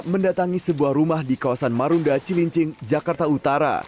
mendatangi sebuah rumah di kawasan marunda cilincing jakarta utara